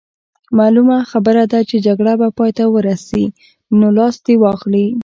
معلومه خبره ده چې جګړه به پای ته ورسي، نو لاس دې واخلي.